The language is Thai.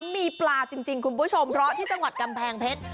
มีปลาจริงคุณผู้ชมเพราะที่จังหวัดกำแพงเพชร